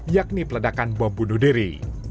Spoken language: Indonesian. yakni peledakan bom bunuh diri